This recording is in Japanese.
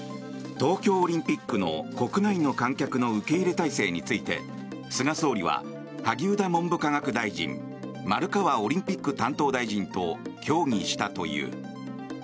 東京オリンピックの国内の観客の受け入れ体制について菅総理は萩生田文部科学大臣丸川オリンピック担当大臣と協議したという。